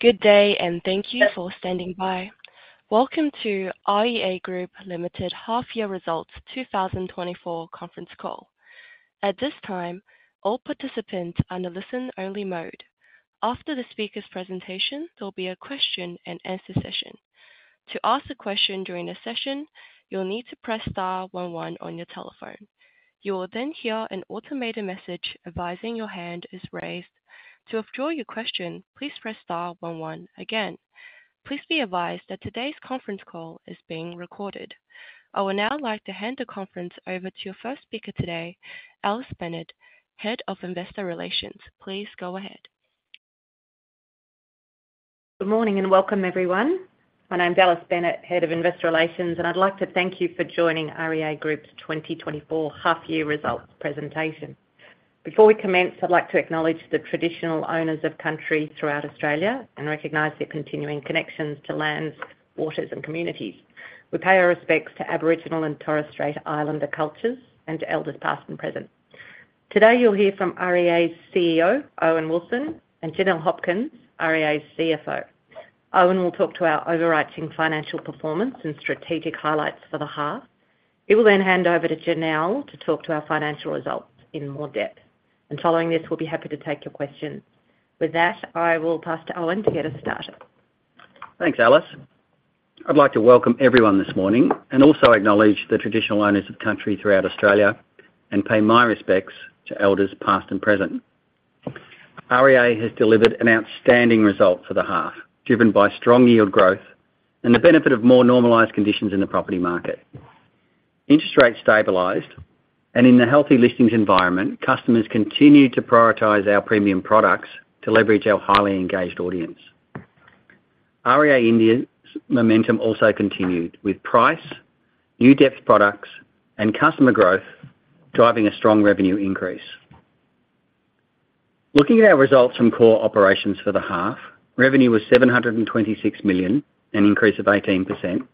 Good day, and thank you for standing by. Welcome to REA Group Limited Half Year Results 2024 Conference Call. At this time, all participants are in a listen-only mode. After the speaker's presentation, there'll be a question-and-answer session. To ask a question during the session, you'll need to press star one one on your telephone. You will then hear an automated message advising your hand is raised. To withdraw your question, please press star one one again. Please be advised that today's conference call is being recorded. I would now like to hand the conference over to your first speaker today, Alice Bennett, Head of Investor Relations. Please go ahead. Good morning, and welcome, everyone. My name is Alice Bennett, Head of Investor Relations, and I'd like to thank you for joining REA Group's 2024 half year results presentation. Before we commence, I'd like to acknowledge the traditional owners of country throughout Australia and recognize their continuing connections to lands, waters, and communities. We pay our respects to Aboriginal and Torres Strait Islander cultures and to elders, past and present. Today, you'll hear from REA's CEO, Owen Wilson, and Janelle Hopkins, REA's CFO. Owen will talk to our overarching financial performance and strategic highlights for the half. He will then hand over to Janelle to talk to our financial results in more depth, and following this, we'll be happy to take your questions. With that, I will pass to Owen to get us started. Thanks, Alice. I'd like to welcome everyone this morning and also acknowledge the traditional owners of country throughout Australia and pay my respects to elders, past and present. REA has delivered an outstanding result for the half, driven by strong yield growth and the benefit of more normalized conditions in the property market. Interest rates stabilized, and in the healthy listings environment, customers continued to prioritize our premium products to leverage our highly engaged audience. REA India's momentum also continued, with price, new depth products, and customer growth driving a strong revenue increase. Looking at our results from core operations for the half, revenue was 726 million, an increase of 18%.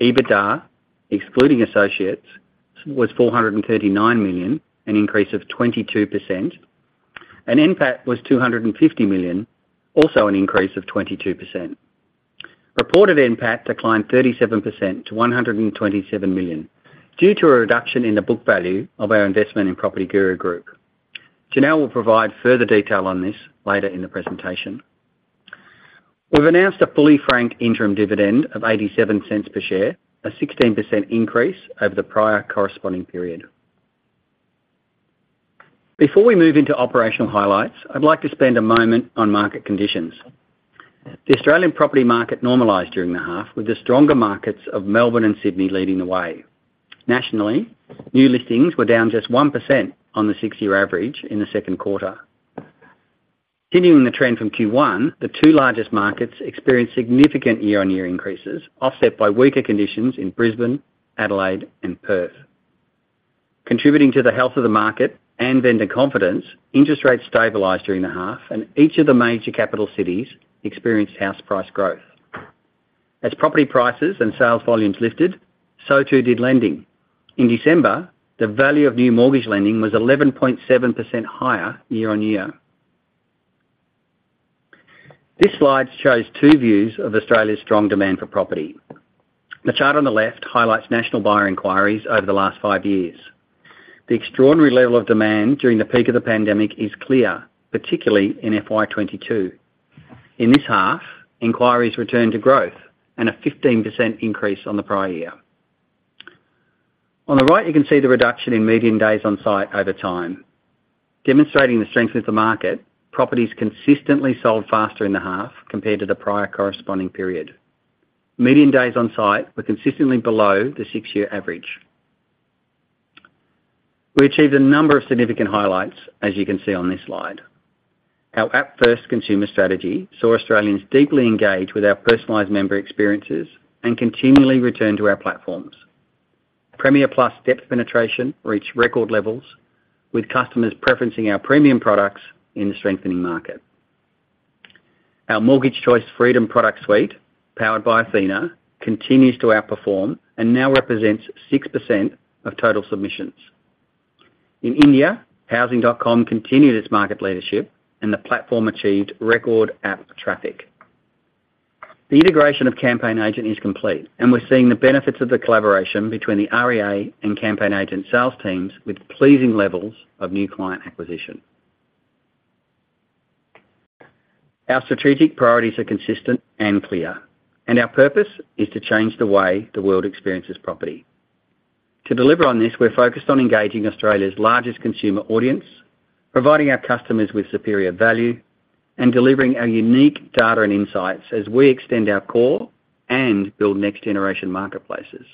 EBITDA, excluding associates, was 439 million, an increase of 22%, and NPAT was 250 million, also an increase of 22%. Reported NPAT declined 37% to 127 million due to a reduction in the book value of our investment in PropertyGuru Group. Janelle will provide further detail on this later in the presentation. We've announced a fully franked interim dividend of 0.87 per share, a 16% increase over the prior corresponding period. Before we move into operational highlights, I'd like to spend a moment on market conditions. The Australian property market normalized during the half, with the stronger markets of Melbourne and Sydney leading the way. Nationally, new listings were down just 1% on the six-year average in the second quarter. Continuing the trend from Q1, the two largest markets experienced significant year-on-year increases, offset by weaker conditions in Brisbane, Adelaide and Perth. Contributing to the health of the market and vendor confidence, interest rates stabilized during the half, and each of the major capital cities experienced house price growth. As property prices and sales volumes lifted, so too, did lending. In December, the value of new mortgage lending was 11.7% higher year-on-year. This slide shows two views of Australia's strong demand for property. The chart on the left highlights national buyer inquiries over the last five years. The extraordinary level of demand during the peak of the pandemic is clear, particularly in FY 2022. In this half, inquiries returned to growth and a 15% increase on the prior year. On the right, you can see the reduction in median days on site over time. Demonstrating the strength of the market, properties consistently sold faster in the half compared to the prior corresponding period. Median days on site were consistently below the six-year average. We achieved a number of significant highlights, as you can see on this slide. Our app-first consumer strategy saw Australians deeply engaged with our personalized member experiences and continually return to our platforms. Premier Plus depth penetration reached record levels, with customers preferencing our premium products in the strengthening market. Our Mortgage Choice Freedom product suite, powered by Athena, continues to outperform and now represents 6% of total submissions. In India, Housing.com continued its market leadership, and the platform achieved record app traffic. The integration of CampaignAgent is complete, and we're seeing the benefits of the collaboration between the REA and CampaignAgent sales teams with pleasing levels of new client acquisition. Our strategic priorities are consistent and clear, and our purpose is to change the way the world experiences property. To deliver on this, we're focused on engaging Australia's largest consumer audience, providing our customers with superior value, and delivering our unique data and insights as we extend our core and build next-generation marketplaces.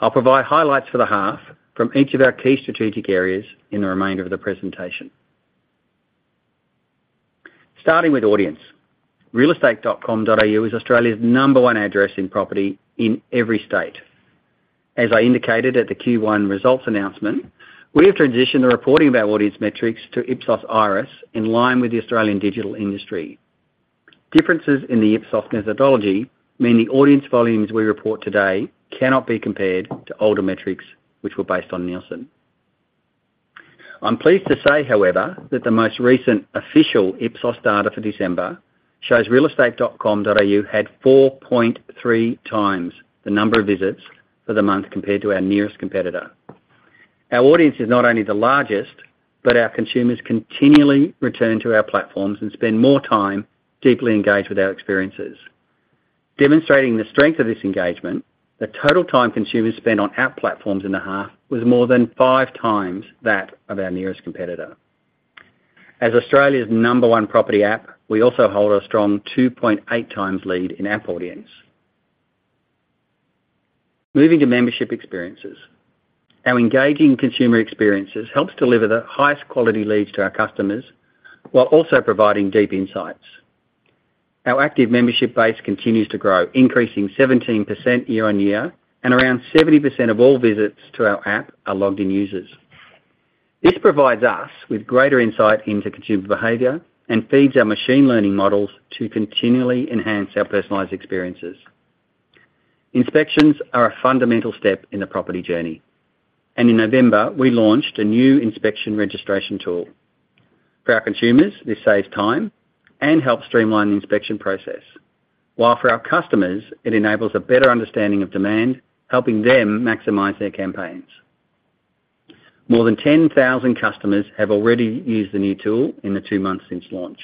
I'll provide highlights for the half from each of our key strategic areas in the remainder of the presentation. Starting with audience. realestate.com.au is Australia's number one address in property in every state. As I indicated at the Q1 results announcement, we have transitioned the reporting of our audience metrics to Ipsos iris, in line with the Australian digital industry. Differences in the Ipsos methodology mean the audience volumes we report today cannot be compared to older metrics, which were based on Nielsen. I'm pleased to say, however, that the most recent official Ipsos data for December shows realestate.com.au had 4.3x the number of visits for the month compared to our nearest competitor. Our audience is not only the largest, but our consumers continually return to our platforms and spend more time deeply engaged with our experiences. Demonstrating the strength of this engagement, the total time consumers spent on our platforms in the half was more than 5x that of our nearest competitor. As Australia's number one property app, we also hold a strong 2.8x lead in app audience. Moving to membership experiences. Our engaging consumer experiences helps deliver the highest quality leads to our customers, while also providing deep insights. Our active membership base continues to grow, increasing 17% year-on-year, and around 70% of all visits to our app are logged-in users. This provides us with greater insight into consumer behavior and feeds our machine learning models to continually enhance our personalized experiences. Inspections are a fundamental step in the property journey, and in November, we launched a new inspection registration tool. For our consumers, this saves time and helps streamline the inspection process, while for our customers, it enables a better understanding of demand, helping them maximize their campaigns. More than 10,000 customers have already used the new tool in the two months since launch.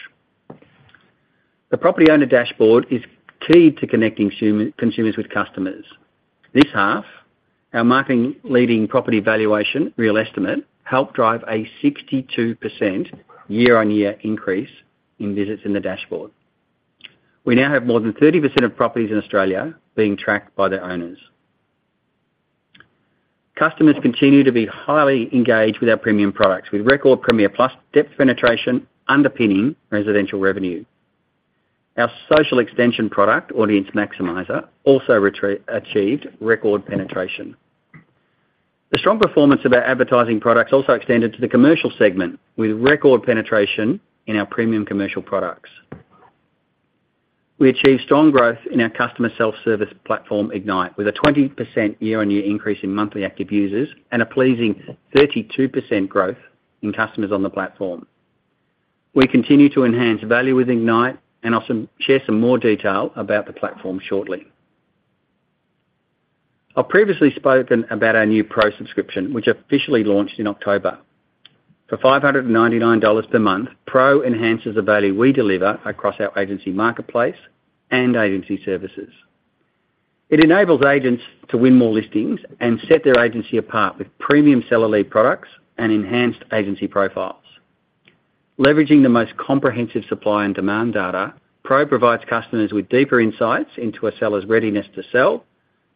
The property owner dashboard is key to connecting consumers with customers. This half, our market-leading property valuation, realEstimate, helped drive a 62% year-on-year increase in visits in the dashboard. We now have more than 30% of properties in Australia being tracked by their owners. Customers continue to be highly engaged with our premium products, with record Premier Plus depth penetration underpinning residential revenue. Our social extension product, Audience Maximiser, also achieved record penetration. The strong performance of our advertising products also extended to the commercial segment, with record penetration in our premium commercial products. We achieved strong growth in our customer self-service platform, Ignite, with a 20% year-on-year increase in monthly active users and a pleasing 32% growth in customers on the platform. We continue to enhance value with Ignite, and I'll share some more detail about the platform shortly. I've previously spoken about our new Pro subscription, which officially launched in October. For 599 dollars per month, Pro enhances the value we deliver across our agency marketplace and agency services. It enables agents to win more listings and set their agency apart with premium seller lead products and enhanced agency profiles. Leveraging the most comprehensive supply and demand data, Pro provides customers with deeper insights into a seller's readiness to sell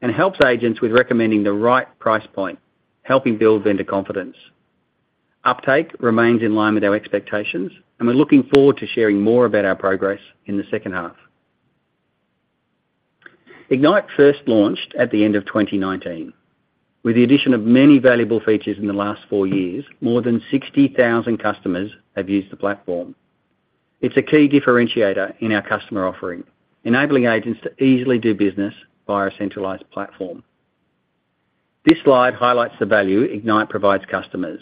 and helps agents with recommending the right price point, helping build vendor confidence. Uptake remains in line with our expectations, and we're looking forward to sharing more about our progress in the second half. Ignite first launched at the end of 2019. With the addition of many valuable features in the last four years, more than 60,000 customers have used the platform. It's a key differentiator in our customer offering, enabling agents to easily do business via a centralized platform. This slide highlights the value Ignite provides customers.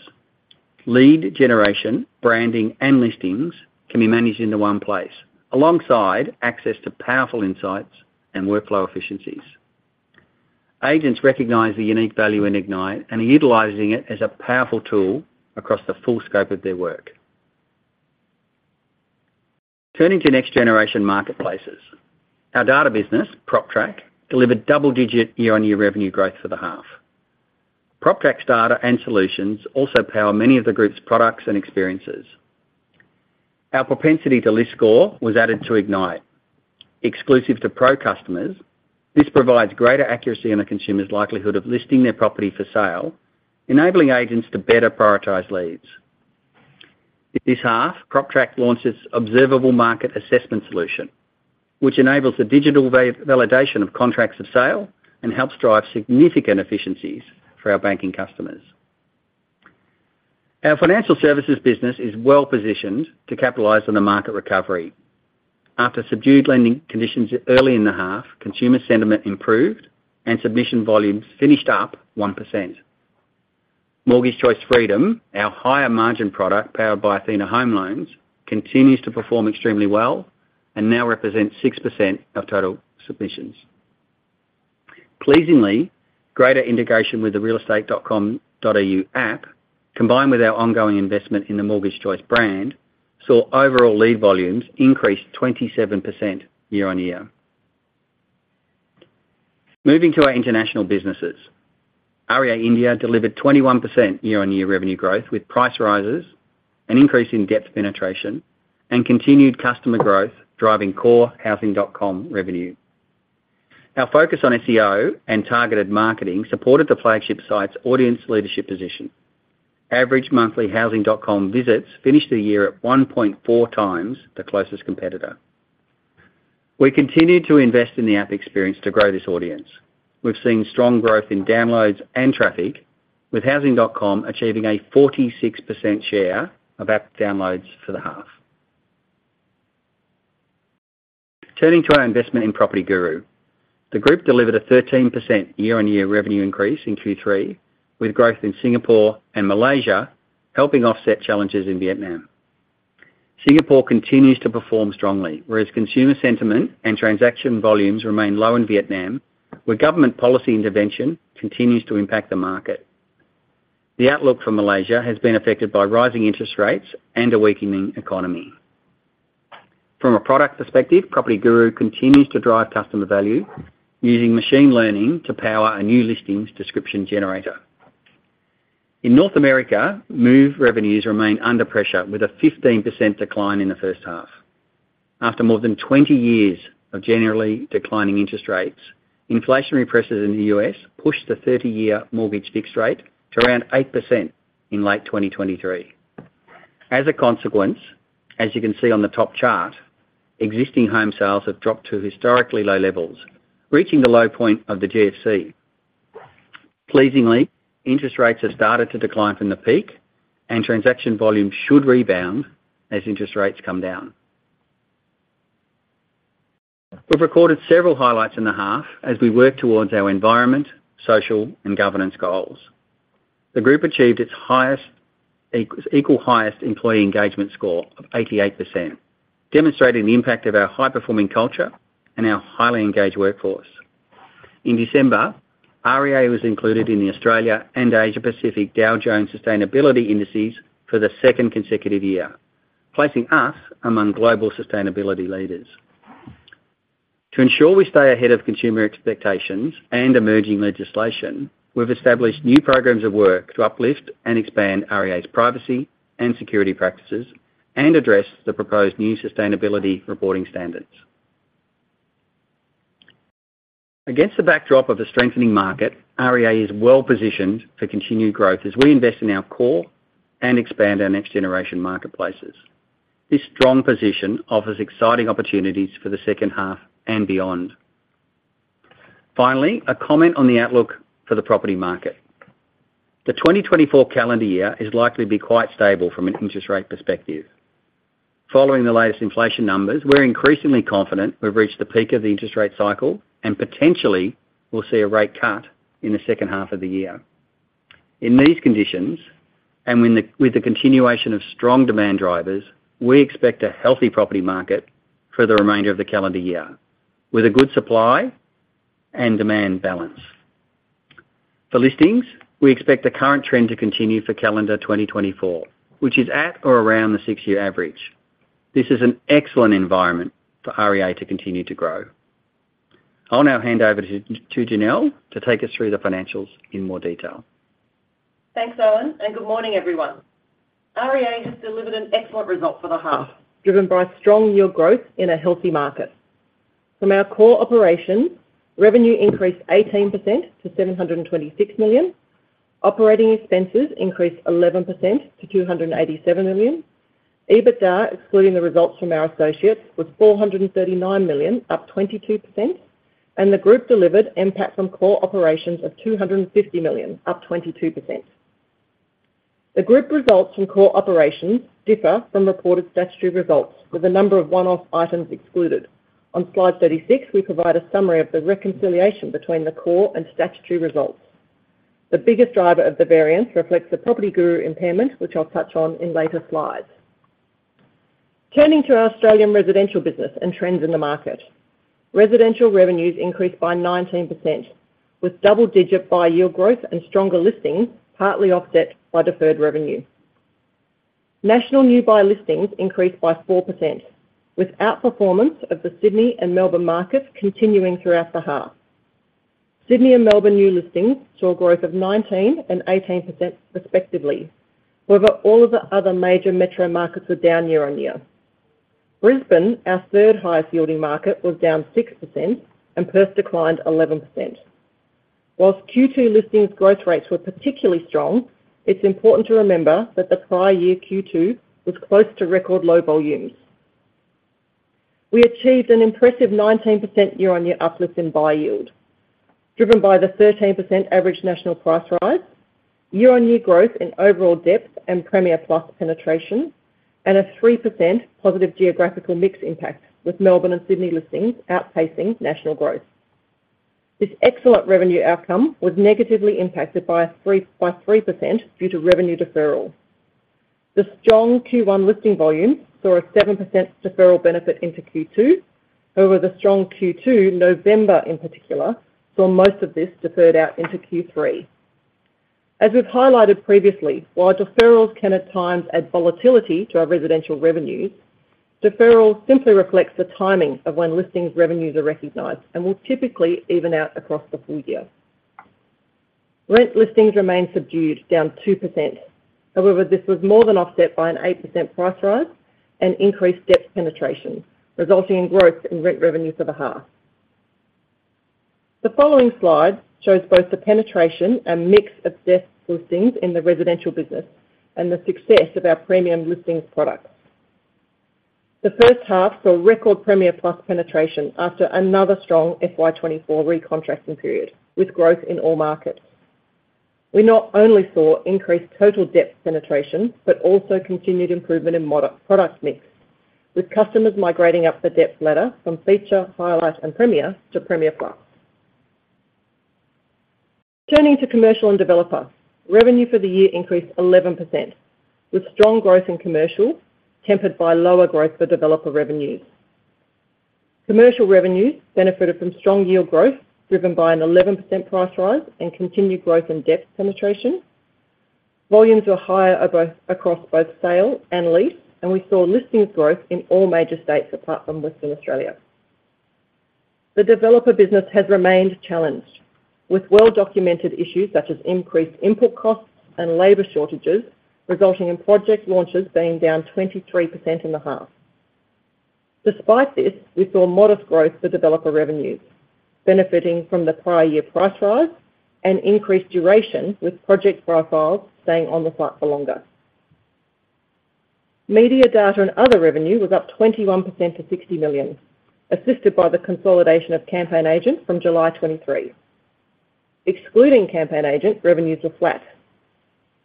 Lead generation, branding, and listings can be managed into one place, alongside access to powerful insights and workflow efficiencies. Agents recognize the unique value in Ignite and are utilizing it as a powerful tool across the full scope of their work. Turning to next generation marketplaces. Our data business, PropTrack, delivered double-digit year-on-year revenue growth for the half. PropTrack's data and solutions also power many of the group's products and experiences. Our propensity to list score was added to Ignite. Exclusive to Pro customers, this provides greater accuracy on a consumer's likelihood of listing their property for sale, enabling agents to better prioritize leads. This half, PropTrack launched its Observable Market Assessment solution, which enables the digital validation of contracts of sale and helps drive significant efficiencies for our banking customers. Our financial services business is well-positioned to capitalize on the market recovery. After subdued lending conditions early in the half, consumer sentiment improved and submission volumes finished up 1%. Mortgage Choice Freedom, our higher margin product, powered by Athena Home Loans, continues to perform extremely well and now represents 6% of total submissions. Pleasingly, greater integration with the realestate.com.au app, combined with our ongoing investment in the Mortgage Choice brand, saw overall lead volumes increase 27% year-on-year. Moving to our international businesses. REA India delivered 21% year-on-year revenue growth, with price rises, an increase in depth penetration, and continued customer growth, driving core housing.com revenue. Our focus on SEO and targeted marketing supported the flagship site's audience leadership position. Average monthly housing.com visits finished the year at 1.4 times the closest competitor. We continued to invest in the app experience to grow this audience. We've seen strong growth in downloads and traffic, with housing.com achieving a 46% share of app downloads for the half. Turning to our investment in PropertyGuru. The group delivered a 13% year-on-year revenue increase in Q3, with growth in Singapore and Malaysia helping offset challenges in Vietnam. Singapore continues to perform strongly, whereas consumer sentiment and transaction volumes remain low in Vietnam, where government policy intervention continues to impact the market. The outlook for Malaysia has been affected by rising interest rates and a weakening economy. From a product perspective, PropertyGuru continues to drive customer value, using machine learning to power a new listings description generator. In North America, Move revenues remain under pressure, with a 15% decline in the first half. After more than 20 years of generally declining interest rates, inflationary pressures in the U.S. pushed the 30-year mortgage fixed rate to around 8% in late 2023. As a consequence, as you can see on the top chart, existing home sales have dropped to historically low levels, reaching the low point of the GFC. Pleasingly, interest rates have started to decline from the peak, and transaction volumes should rebound as interest rates come down. We've recorded several highlights in the half as we work towards our environmental, social, and governance goals. The group achieved its highest, equal highest employee engagement score of 88%, demonstrating the impact of our high-performing culture and our highly engaged workforce. In December, REA was included in the Australia and Asia Pacific Dow Jones Sustainability Indices for the second consecutive year, placing us among global sustainability leaders. To ensure we stay ahead of consumer expectations and emerging legislation, we've established new programs of work to uplift and expand REA's privacy and security practices and address the proposed new sustainability reporting standards. Against the backdrop of the strengthening market, REA is well-positioned for continued growth as we invest in our core and expand our next-generation marketplaces. This strong position offers exciting opportunities for the second half and beyond. Finally, a comment on the outlook for the property market. The 2024 calendar year is likely to be quite stable from an interest rate perspective. Following the latest inflation numbers, we're increasingly confident we've reached the peak of the interest rate cycle, and potentially we'll see a rate cut in the second half of the year. In these conditions, with the continuation of strong demand drivers, we expect a healthy property market for the remainder of the calendar year, with a good supply and demand balance. For listings, we expect the current trend to continue for calendar 2024, which is at or around the six-year average. This is an excellent environment for REA to continue to grow. I'll now hand over to Janelle to take us through the financials in more detail. Thanks, Owen, and good morning, everyone. REA has delivered an excellent result for the half, driven by strong year growth in a healthy market. From our core operations, revenue increased 18% to 726 million. Operating expenses increased 11% to 287 million. EBITDA, excluding the results from our associates, was 439 million, up 22%, and the group delivered NPAT from core operations of 250 million, up 22%. The group results from core operations differ from reported statutory results, with a number of one-off items excluded. On Slide 36, we provide a summary of the reconciliation between the core and statutory results. The biggest driver of the variance reflects the PropertyGuru impairment, which I'll touch on in later slides. Turning to our Australian residential business and trends in the market. Residential revenues increased by 19%, with double-digit buy yield growth and stronger listings, partly offset by deferred revenue. National new buy listings increased by 4%, with outperformance of the Sydney and Melbourne markets continuing throughout the half. Sydney and Melbourne new listings saw a growth of 19% and 18% respectively. However, all of the other major metro markets were down year-on-year. Brisbane, our third highest yielding market, was down 6%, and Perth declined 11%. While Q2 listings growth rates were particularly strong, it's important to remember that the prior year, Q2, was close to record low volumes. We achieved an impressive 19% year-on-year uplift in buy yield, driven by the 13% average national price rise, year-on-year growth in overall depth and Premier Plus penetration, and a 3% positive geographical mix impact, with Melbourne and Sydney listings outpacing national growth. This excellent revenue outcome was negatively impacted by 3% due to revenue deferral. The strong Q1 listing volumes saw a 7% deferral benefit into Q2. However, the strong Q2, November, in particular, saw most of this deferred out into Q3. As we've highlighted previously, while deferrals can at times add volatility to our residential revenues, deferral simply reflects the timing of when listings revenues are recognized and will typically even out across the full year. Rent listings remain subdued, down 2%. However, this was more than offset by an 8% price rise and increased depth penetration, resulting in growth in rent revenues for the half. The following slide shows both the penetration and mix of depth listings in the residential business and the success of our premium listings products. The first half saw record Premier Plus penetration after another strong FY 2024 recontracting period, with growth in all markets. We not only saw increased total depth penetration, but also continued improvement in product mix, with customers migrating up the depth ladder from Feature, Highlight, and Premier to Premier Plus. Turning to commercial and developer, revenue for the year increased 11%, with strong growth in commercial, tempered by lower growth for developer revenues. Commercial revenues benefited from strong yield growth, driven by an 11% price rise and continued growth in depth penetration. Volumes were higher across both sale and lease, and we saw listings growth in all major states, apart from Western Australia. The developer business has remained challenged, with well-documented issues such as increased input costs and labor shortages, resulting in project launches being down 23% in the half. Despite this, we saw modest growth for developer revenues, benefiting from the prior year price rise and increased duration, with project profiles staying on the site for longer. Media, data, and other revenue was up 21% to 60 million, assisted by the consolidation of CampaignAgent from July 2023. Excluding CampaignAgent, revenues were flat.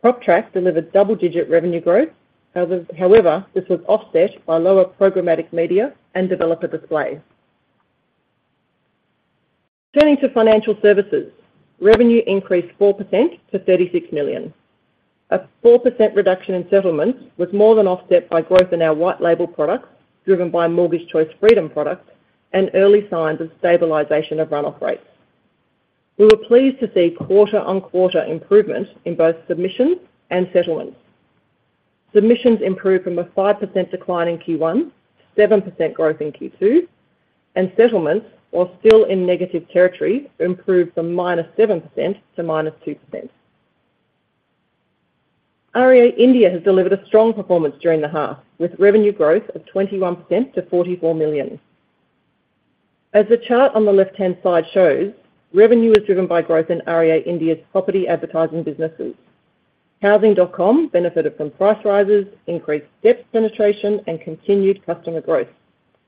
PropTrack delivered double-digit revenue growth. However, this was offset by lower programmatic media and developer display. Turning to financial services, revenue increased 4% to 36 million. A 4% reduction in settlements was more than offset by growth in our white label products, driven by Mortgage Choice Freedom products and early signs of stabilization of run-off rates. We were pleased to see quarter-on-quarter improvement in both submissions and settlements. Submissions improved from a 5% decline in Q1, 7% growth in Q2, and settlements, while still in negative territory, improved from -7% to -2%. REA India has delivered a strong performance during the half, with revenue growth of 21% to 44 million. As the chart on the left-hand side shows, revenue was driven by growth in REA India's property advertising businesses. Housing.com benefited from price rises, increased depth penetration, and continued customer growth.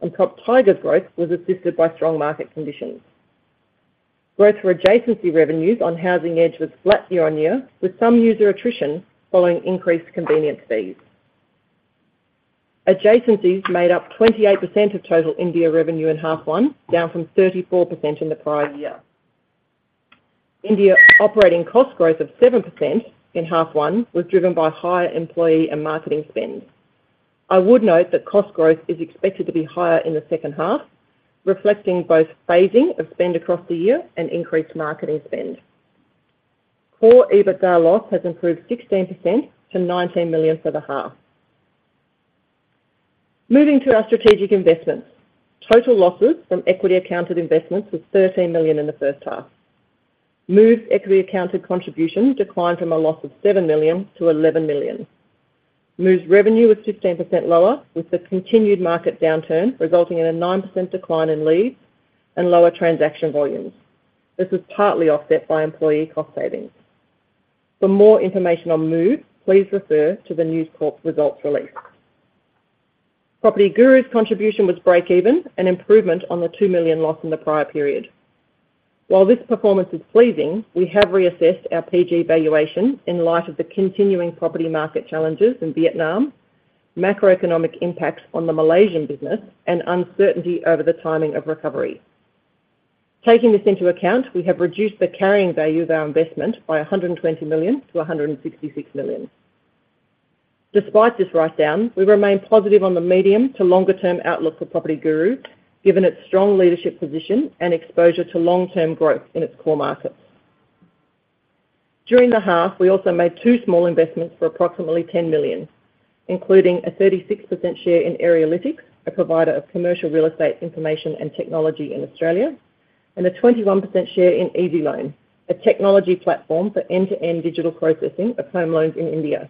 And PropTiger's growth was assisted by strong market conditions. Growth for adjacency revenues on Housing Edge was flat year-on-year, with some user attrition following increased convenience fees. Adjacencies made up 28% of total India revenue in half one, down from 34% in the prior year. India operating cost growth of 7% in half one was driven by higher employee and marketing spend. I would note that cost growth is expected to be higher in the second half, reflecting both phasing of spend across the year and increased marketing spend. Core EBITDA loss has improved 16% to 19 million for the half. Moving to our strategic investments. Total losses from equity accounted investments was 13 million in the first half. Move equity accounted contribution declined from a loss of 7 million to 11 million. Move's revenue was 15% lower, with the continued market downturn resulting in a 9% decline in leads and lower transaction volumes. This was partly offset by employee cost savings. For more information on Move, please refer to the News Corp results release. PropertyGuru's contribution was break even, an improvement on the 2 million loss in the prior period. While this performance is pleasing, we have reassessed our PG valuation in light of the continuing property market challenges in Vietnam, macroeconomic impacts on the Malaysian business, and uncertainty over the timing of recovery. Taking this into account, we have reduced the carrying value of our investment by 120 million to 166 million. Despite this write-down, we remain positive on the medium to longer term outlook for PropertyGuru, given its strong leadership position and exposure to long-term growth in its core markets. During the half, we also made two small investments for approximately 10 million, including a 36% share in Arealytics, a provider of commercial real estate information and technology in Australia, and a 21% share in EasyLoan, a technology platform for end-to-end digital processing of home loans in India.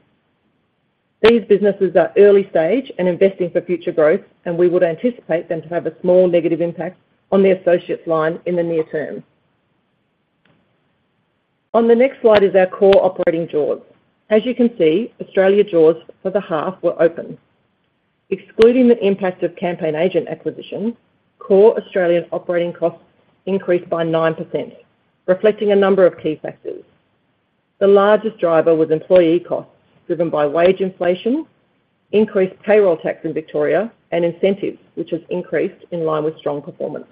These businesses are early stage and investing for future growth, and we would anticipate them to have a small negative impact on the associates line in the near term. On the next slide is our core operating Jaws. As you can see, Australia Jaws for the half were open. Excluding the impact of CampaignAgent acquisition, core Australian operating costs increased by 9%, reflecting a number of key factors. The largest driver was employee costs, driven by wage inflation, increased payroll tax in Victoria, and incentives, which has increased in line with strong performance.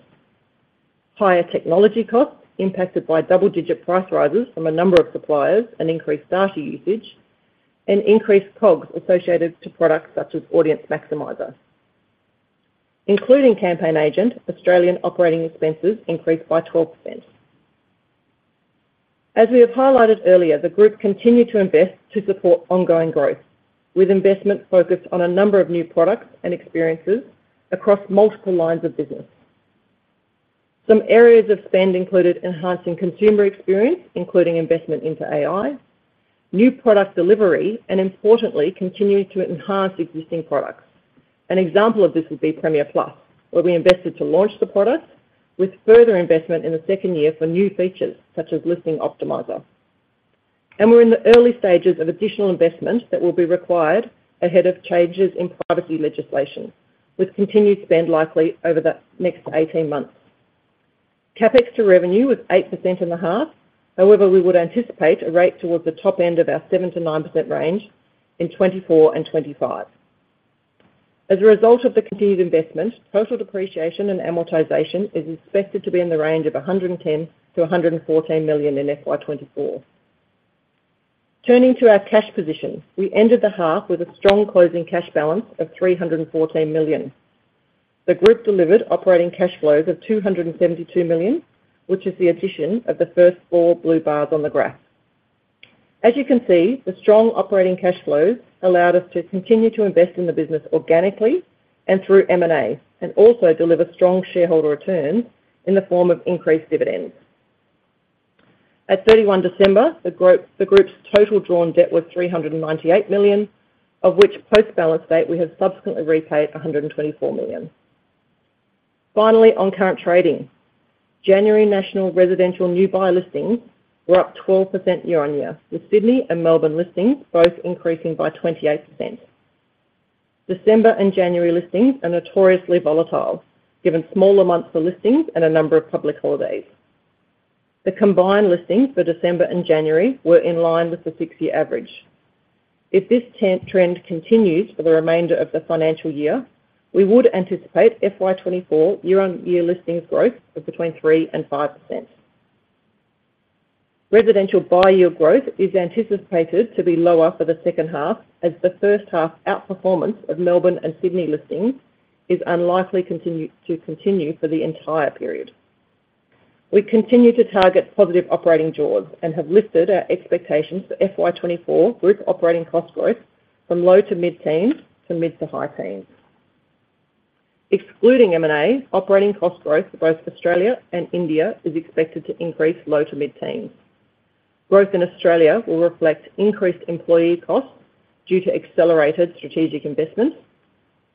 Higher technology costs impacted by double-digit price rises from a number of suppliers and increased data usage, and increased COGS associated to products such as Audience Maximiser. Including CampaignAgent, Australian operating expenses increased by 12%. As we have highlighted earlier, the group continued to invest to support ongoing growth, with investments focused on a number of new products and experiences across multiple lines of business. Some areas of spend included enhancing consumer experience, including investment into AI, new product delivery, and importantly, continuing to enhance existing products. An example of this would be Premier Plus, where we invested to launch the product, with further investment in the second year for new features, such as Listing Optimiser. We're in the early stages of additional investment that will be required ahead of changes in privacy legislation, with continued spend likely over the next 18 months. CapEx to revenue was 8% in the half. However, we would anticipate a rate towards the top end of our 7%-9% range in 2024 and 2025. As a result of the continued investment, total depreciation and amortization is expected to be in the range of 110-114 million in FY 2024. Turning to our cash position, we ended the half with a strong closing cash balance of 314 million. The group delivered operating cash flows of 272 million, which is the addition of the first four blue bars on the graph. As you can see, the strong operating cash flows allowed us to continue to invest in the business organically and through M&A, and also deliver strong shareholder returns in the form of increased dividends. At 31 December, the group's total drawn debt was 398 million, of which post-balance date, we have subsequently repaid 124 million. Finally, on current trading, January national residential new buy listings were up 12% year-on-year, with Sydney and Melbourne listings both increasing by 28%. December and January listings are notoriously volatile, given smaller months for listings and a number of public holidays. The combined listings for December and January were in line with the six-year average. If this trend continues for the remainder of the financial year, we would anticipate FY 2024 year-on-year listings growth of between 3% and 5%. Residential buy year growth is anticipated to be lower for the second half, as the first half outperformance of Melbourne and Sydney listings is unlikely to continue for the entire period. We continue to target positive operating jaws and have lifted our expectations for FY 2024 group operating cost growth from low- to mid-teens to mid- to high-teens. Excluding M&A, operating cost growth for both Australia and India is expected to increase low- to mid-teens. Growth in Australia will reflect increased employee costs due to accelerated strategic investments,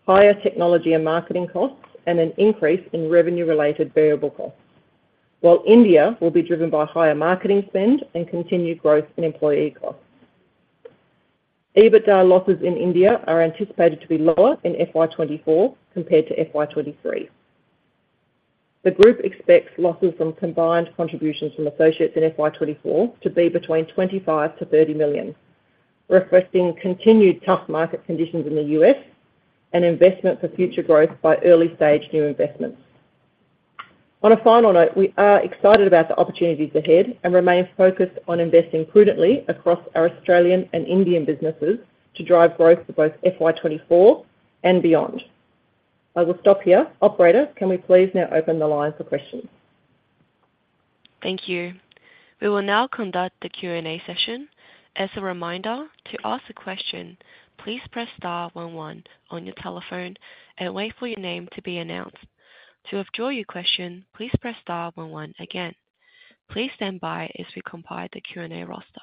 higher technology and marketing costs, and an increase in revenue-related variable costs. While India will be driven by higher marketing spend and continued growth in employee costs. EBITDA losses in India are anticipated to be lower in FY 2024 compared to FY 2023. The group expects losses from combined contributions from associates in FY 2024 to be between 25 million-30 million, reflecting continued tough market conditions in the U.S. and investment for future growth by early-stage new investments. On a final note, we are excited about the opportunities ahead and remain focused on investing prudently across our Australian and Indian businesses to drive growth for both FY 2024 and beyond. I will stop here. Operator, can we please now open the line for questions? Thank you. We will now conduct the Q&A session. As a reminder, to ask a question, please press star one one on your telephone and wait for your name to be announced. To withdraw your question, please press star one one again. Please stand by as we compile the Q&A roster.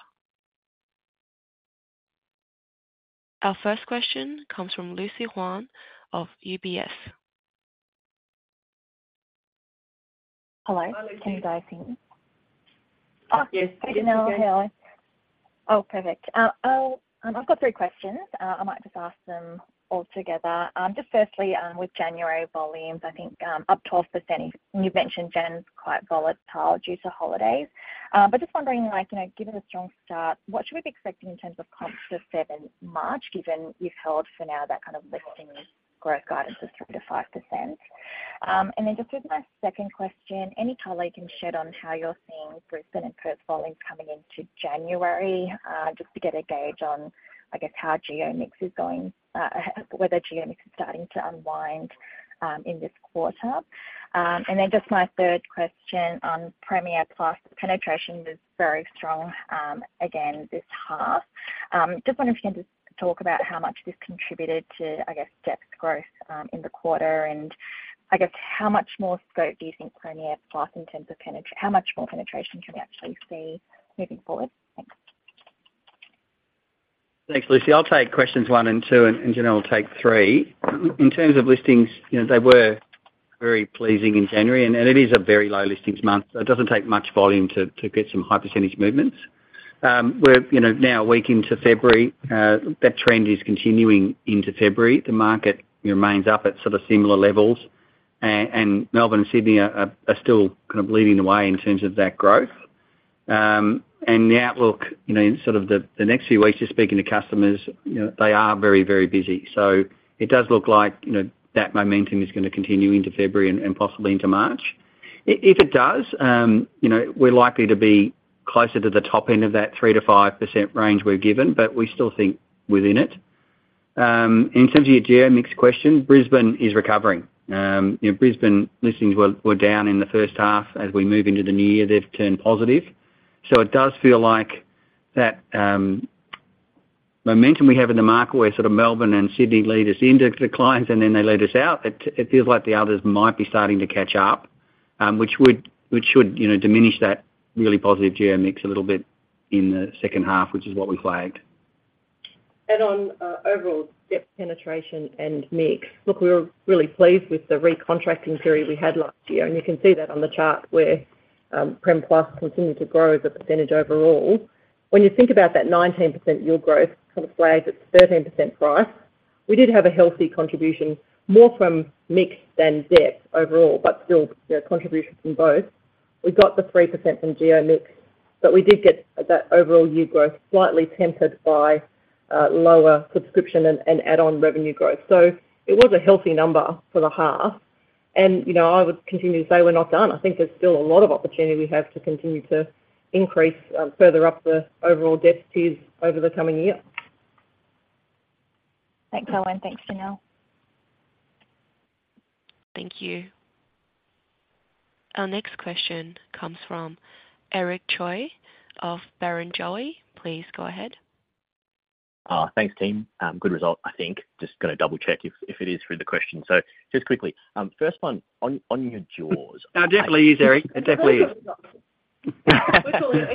Our first question comes from Lucy Huang of UBS. Hello. Hi, Lucy. Can you guys hear me? Oh, yes. Janelle, hello. Oh, perfect. I've got three questions. I might just ask them all together. Just firstly, with January volumes, I think, up 12%, and you've mentioned January is quite volatile due to holidays. But just wondering, like, you know, given a strong start, what should we be expecting in terms of comps for seventh March, given you've held for now that kind of listing growth guidance of 3%-5%? And then just as my second question, any color you can shed on how you're seeing Brisbane and Perth volumes coming into January, just to get a gauge on, I guess, how geo mix is going, whether geo mix is starting to unwind, in this quarter? And then just my third question on Premier Plus, penetration was very strong, again, this half. Just wondering if you can just talk about how much this contributed to, I guess, depth growth in the quarter, and I guess how much more scope do you think Premier Plus in terms of how much more penetration can we actually see moving forward? Thanks. Thanks, Lucy. I'll take questions one and two, and Janelle will take three. In terms of listings, you know, they were very pleasing in January, and it is a very low listings month, so it doesn't take much volume to get some high percentage movements. We're, you know, now a week into February, that trend is continuing into February. The market remains up at sort of similar levels, and Melbourne and Sydney are still kind of leading the way in terms of that growth. And the outlook, you know, in sort of the next few weeks, just speaking to customers, you know, they are very, very busy. So it does look like, you know, that momentum is gonna continue into February and possibly into March. If it does, you know, we're likely to be closer to the top end of that 3%-5% range we've given, but we still think within it. In terms of your geo mix question, Brisbane is recovering. You know, Brisbane listings were down in the first half. As we move into the new year, they've turned positive. So it does feel like that momentum we have in the market, where sort of Melbourne and Sydney lead us into declines, and then they lead us out, it feels like the others might be starting to catch up, which would, which should, you know, diminish that really positive geo mix a little bit in the second half, which is what we flagged. And on overall depth, penetration, and mix. Look, we were really pleased with the recontracting period we had last year, and you can see that on the chart where Premier Plus continued to grow as a percentage overall. When you think about that 19% year growth kind of flagged at 13% price. We did have a healthy contribution, more from mix than depth overall, but still, yeah, contribution from both. We got the 3% from geo mix, but we did get that overall year growth slightly tempered by lower subscription and add-on revenue growth. So it was a healthy number for the half. And, you know, I would continue to say we're not done. I think there's still a lot of opportunity we have to continue to increase further up the overall depth tiers over the coming year. Thanks, Owen. Thanks, Janelle. Thank you. Our next question comes from Eric Choi of Barrenjoey. Please go ahead. Thanks, team. Good result, I think. Just gonna double-check if it is through the question. So just quickly, first one, on your jaws- It definitely is, Eric. It definitely is.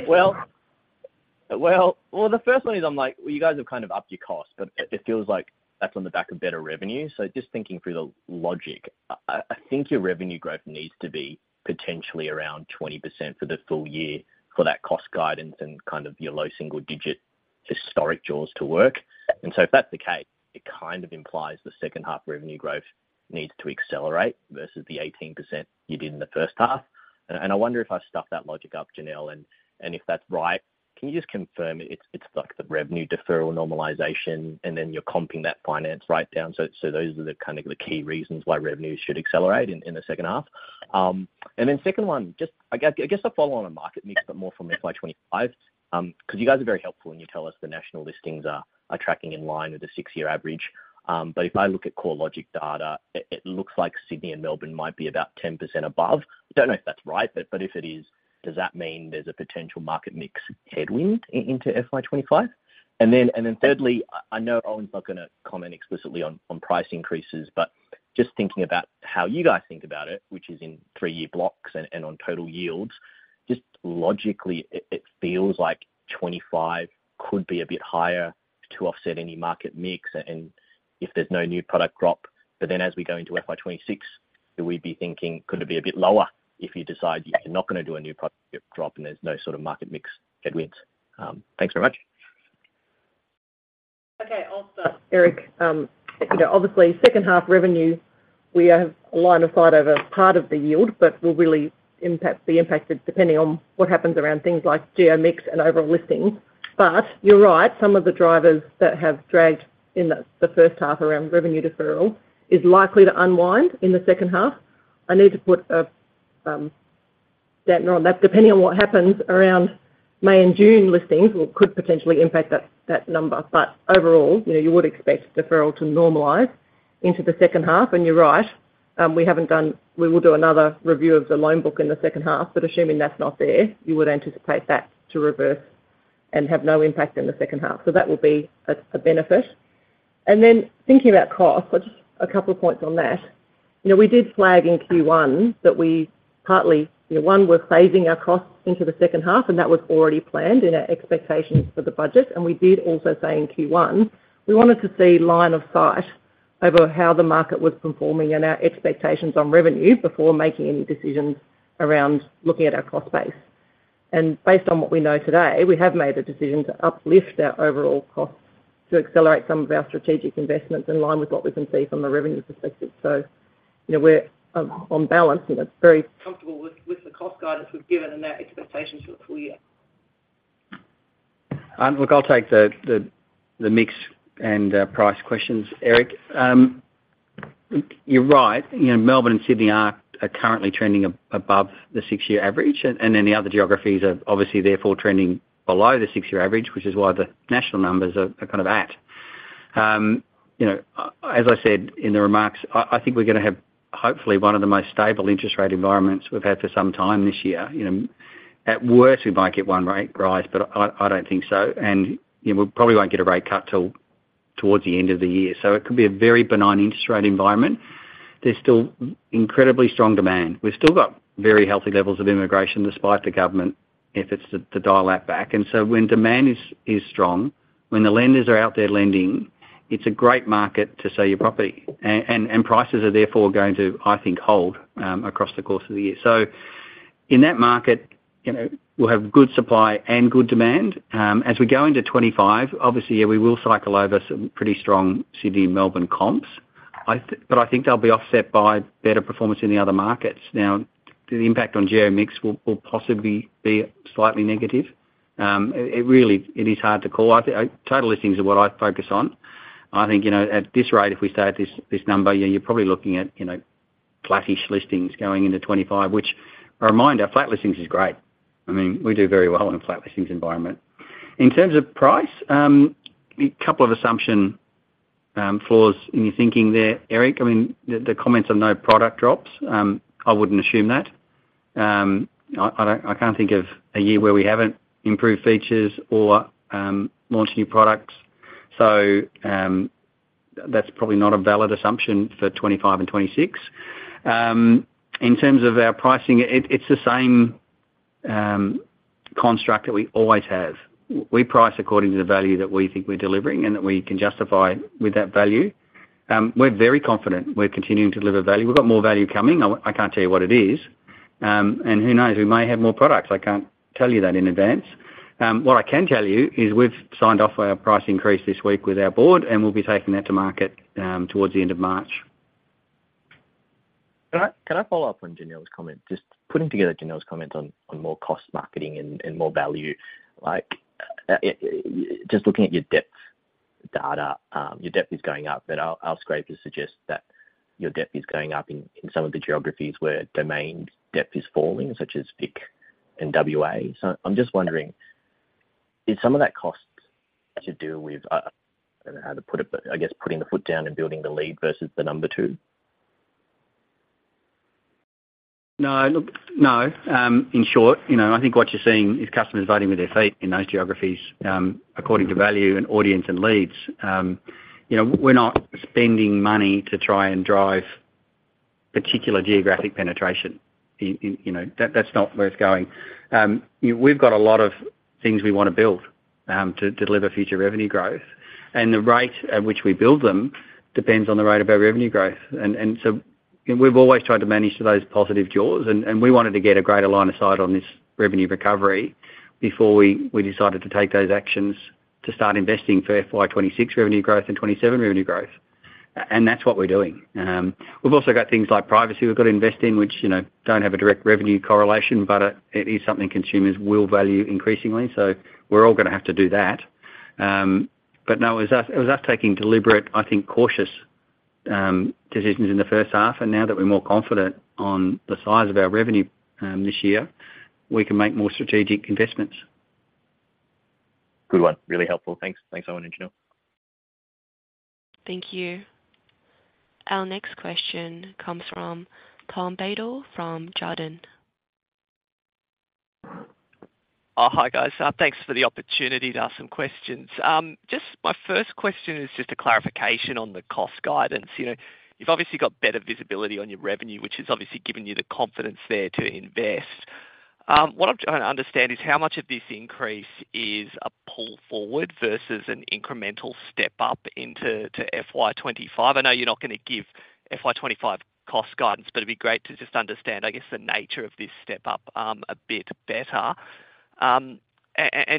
Well, well, well, the first one is I'm like, well, you guys have kind of upped your cost, but it feels like that's on the back of better revenue. So just thinking through the logic, I think your revenue growth needs to be potentially around 20% for the full year for that cost guidance and kind of your low single digit historic jaws to work. And so if that's the case, it kind of implies the second half revenue growth needs to accelerate versus the 18% you did in the first half. And I wonder if I've stuffed that logic up, Janelle, and if that's right, can you just confirm it's like the revenue deferral normalization, and then you're comping that finance right down? So those are the kind of the key reasons why revenues should accelerate in the second half. And then second one, just I guess, I'll follow on a market mix, but more from FY 25, 'cause you guys are very helpful when you tell us the national listings are tracking in line with the six-year average. But if I look at CoreLogic data, it looks like Sydney and Melbourne might be about 10% above. I don't know if that's right, but if it is, does that mean there's a potential market mix headwind into FY 25? And then, and then thirdly, I, I know Owen's not gonna comment explicitly on, on price increases, but just thinking about how you guys think about it, which is in three-year blocks and, and on total yields, just logically, it, it feels like 25 could be a bit higher to offset any market mix, and if there's no new product drop. But then as we go into FY 2026, would we be thinking, could it be a bit lower if you decide you're not gonna do a new product drop and there's no sort of market mix headwinds? Thanks very much. Okay, I'll start, Eric. You know, obviously, second half revenue, we have a line of sight over part of the yield, but will really impact, be impacted depending on what happens around things like geo mix and overall listings. But you're right, some of the drivers that have dragged in the first half around revenue deferral is likely to unwind in the second half. I need to put a damper on that. Depending on what happens around May and June listings, well, could potentially impact that number, but overall, you know, you would expect deferral to normalize into the second half. And you're right, we will do another review of the loan book in the second half, but assuming that's not there, you would anticipate that to reverse and have no impact in the second half. So that will be a benefit. And then thinking about cost, well, just a couple of points on that. You know, we did flag in Q1 that we partly, you know, we're phasing our costs into the second half, and that was already planned in our expectations for the budget. And we did also say in Q1, we wanted to see line of sight over how the market was performing and our expectations on revenue before making any decisions around looking at our cost base. And based on what we know today, we have made a decision to uplift our overall costs to accelerate some of our strategic investments in line with what we can see from a revenue perspective. So, you know, we're on balance, you know, very comfortable with the cost guidance we've given and our expectations for the full year. Look, I'll take the mix and price questions, Eric. You're right, you know, Melbourne and Sydney are currently trending above the six-year average, and then the other geographies are obviously therefore trending below the six-year average, which is why the national numbers are kind of at. You know, as I said in the remarks, I think we're gonna have, hopefully, one of the most stable interest rate environments we've had for some time this year. You know, at worst, we might get one rate rise, but I don't think so. And, you know, we probably won't get a rate cut till towards the end of the year, so it could be a very benign interest rate environment. There's still incredibly strong demand. We've still got very healthy levels of immigration, despite the government efforts to dial that back. And so when demand is strong, when the lenders are out there lending, it's a great market to sell your property. And prices are therefore going to, I think, hold across the course of the year. So in that market, you know, we'll have good supply and good demand. As we go into 25, obviously, yeah, we will cycle over some pretty strong Sydney and Melbourne comps. But I think they'll be offset by better performance in the other markets. Now, the impact on geo mix will possibly be slightly negative. It really is hard to call. Total listings are what I'd focus on. I think, you know, at this rate, if we stay at this, this number, yeah, you're probably looking at, you know, flattish listings going into 25, which, a reminder, flat listings is great. I mean, we do very well in a flat listings environment. In terms of price, a couple of assumption flaws in your thinking there, Eric. I mean, the, the comments on no product drops, I wouldn't assume that. I can't think of a year where we haven't improved features or launched new products, so, that's probably not a valid assumption for 25 and 26. In terms of our pricing, it, it's the same construct that we always have. We price according to the value that we think we're delivering and that we can justify with that value. We're very confident we're continuing to deliver value. We've got more value coming. I can't tell you what it is.... And who knows? We may have more products. I can't tell you that in advance. What I can tell you is we've signed off on our price increase this week with our board, and we'll be taking that to market towards the end of March. Can I, can I follow up on Janelle's comment? Just putting together Janelle's comment on, on more cost marketing and, and more value. Like, just looking at your depth data, your depth is going up, but our, our scrapers suggest that your depth is going up in, in some of the geographies where Domain depth is falling, such as VIC and WA. So I'm just wondering, did some of that cost to do with? I don't know how to put it, but I guess putting the foot down and building the lead versus the number two? No. Look, no. In short, you know, I think what you're seeing is customers voting with their feet in those geographies, according to value and audience and leads. You know, we're not spending money to try and drive particular geographic penetration. You know, that's not where it's going. We've got a lot of things we wanna build, to deliver future revenue growth, and the rate at which we build them depends on the rate of our revenue growth. And so we've always tried to manage those positive jaws, and we wanted to get a greater line of sight on this revenue recovery before we decided to take those actions to start investing for FY 2026 revenue growth and 2027 revenue growth. And that's what we're doing. We've also got things like privacy we've got to invest in, which, you know, don't have a direct revenue correlation, but it is something consumers will value increasingly. So we're all gonna have to do that. But no, it was us, it was us taking deliberate, I think, cautious decisions in the first half. And now that we're more confident on the size of our revenue this year, we can make more strategic investments. Good one. Really helpful. Thanks. Thanks, Owen and Janelle. Thank you. Our next question comes from Tom Beadle from Jarden. Oh, hi, guys. Thanks for the opportunity to ask some questions. Just my first question is just a clarification on the cost guidance. You know, you've obviously got better visibility on your revenue, which has obviously given you the confidence there to invest. What I'm trying to understand is how much of this increase is a pull forward versus an incremental step up into FY 25. I know you're not gonna give FY 25 cost guidance, but it'd be great to just understand, I guess, the nature of this step up a bit better. And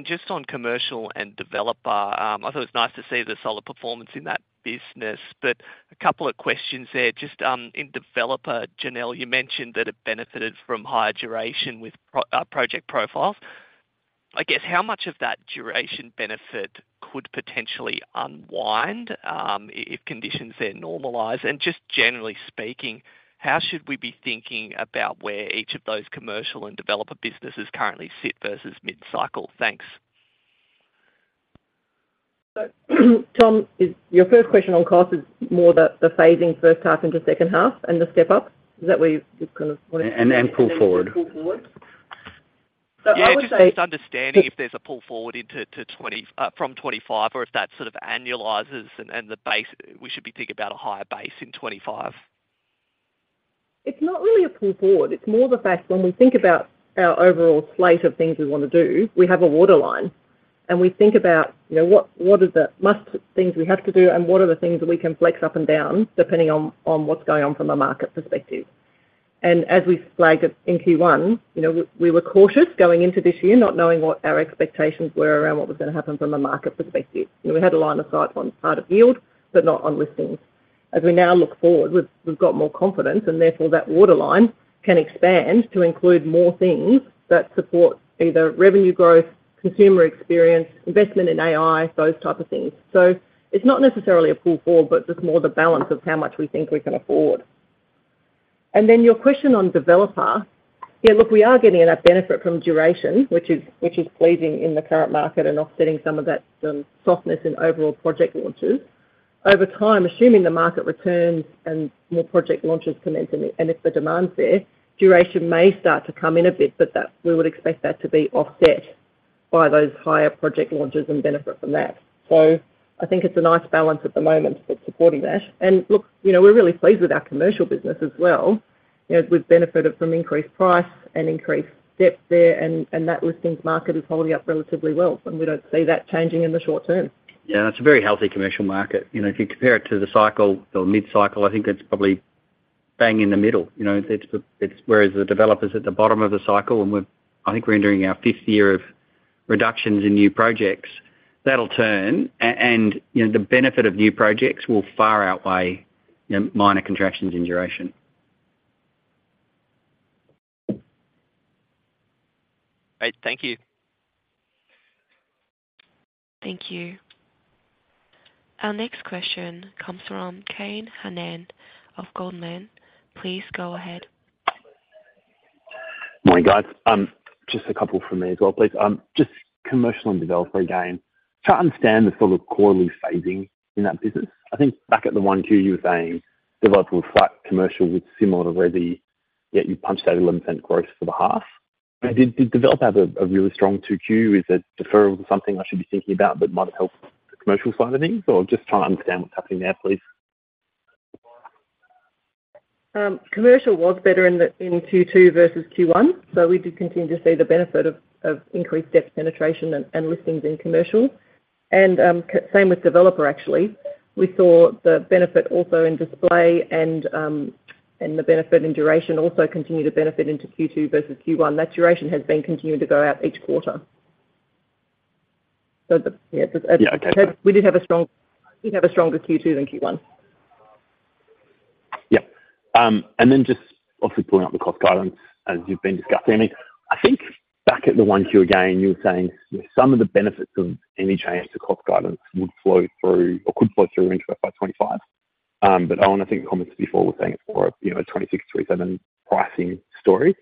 just on commercial and developer, I thought it was nice to see the solid performance in that business. But a couple of questions there. Just, in developer, Janelle, you mentioned that it benefited from higher duration with project profiles. I guess, how much of that duration benefit could potentially unwind, if conditions then normalize? And just generally speaking, how should we be thinking about where each of those commercial and developer businesses currently sit versus mid-cycle? Thanks. So, Tom, is your first question on cost is more the phasing first half into second half and the step up? Is that where you're kind of- And pull forward. And pull forward? So I would say- Yeah, just understanding if there's a pull forward into 2024 from 2025 or if that sort of annualizes and the base we should be thinking about a higher base in 2025? It's not really a pull forward. It's more the fact when we think about our overall slate of things we wanna do, we have a waterline, and we think about, you know, what are the must things we have to do and what are the things that we can flex up and down, depending on what's going on from a market perspective. As we flagged it in Q1, you know, we were cautious going into this year, not knowing what our expectations were around what was gonna happen from a market perspective. You know, we had a line of sight on part of yield, but not on listings. As we now look forward, we've got more confidence, and therefore, that waterline can expand to include more things that support either revenue growth, consumer experience, investment in AI, those type of things. So it's not necessarily a pull forward, but just more the balance of how much we think we can afford. And then your question on developer. Yeah, look, we are getting enough benefit from duration, which is pleasing in the current market and offsetting some of that, softness in overall project launches. Over time, assuming the market returns and more project launches come in, and if the demand's there, duration may start to come in a bit, but that we would expect that to be offset by those higher project launches and benefit from that. So I think it's a nice balance at the moment that's supporting that. And look, you know, we're really pleased with our commercial business as well. You know, we've benefited from increased price and increased depth there, and that listings market is holding up relatively well, and we don't see that changing in the short term. Yeah, it's a very healthy commercial market. You know, if you compare it to the cycle or mid-cycle, I think that's probably bang in the middle. You know, it's whereas the developers at the bottom of the cycle, and I think we're entering our fifth year of reductions in new projects. That'll turn and, you know, the benefit of new projects will far outweigh, you know, minor contractions in duration. Great. Thank you. Thank you. Our next question comes from Kane Hannan of Goldman. Please go ahead. Morning, guys. Just a couple from me as well, please. Just commercial and developer again. Try to understand the sort of quarterly phasing in that business. I think back at the one, two, you were saying developers were flat, commercial was similar to where the... Yet you punched out 11% growth for the half. Did, did develop have a, a really strong 2Q? Is it deferral to something I should be thinking about that might have helped the commercial side of things, or just trying to understand what's happening there, please? Commercial was better in Q2 versus Q1, so we did continue to see the benefit of increased depth penetration and listings in commercial. Same with developer, actually. We saw the benefit also in display and the benefit in duration also continue to benefit into Q2 versus Q1. That duration has been continuing to go out each quarter. So, yeah, the- Yeah, okay. We have a stronger Q2 than Q1. Yeah. Then just obviously pulling up the cost guidance, as you've been discussing. I think back at the 1Q again, you were saying some of the benefits of any change to cost guidance would flow through or could flow through into FY 2025. But I think the comments before were saying for, you know, a 2026, 2037 pricing story.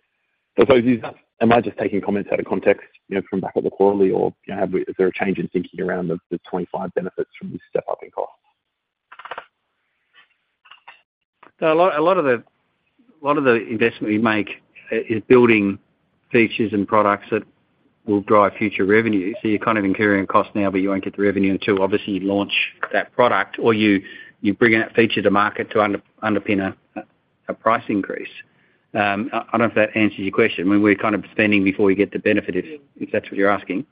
So I suppose, am I just taking comments out of context, you know, from back at the quarterly, or, you know, have we— is there a change in thinking around the, the 2025 benefits from this step-up in cost? A lot of the investment we make in building features and products that will drive future revenue. So you're kind of incurring a cost now, but you won't get the revenue until obviously you launch that product or you bring in that feature to market to underpin a price increase. I don't know if that answers your question, when we're kind of spending before we get the benefit, if that's what you're asking.